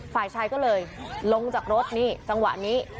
ฝ่ายชายก็เลยลงจากรถนี่จังหวะนี้